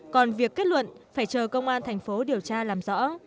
còn việc kết luận phải chờ công an thành phố điều tra làm rõ